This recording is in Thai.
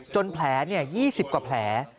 แผล๒๐กว่าแผล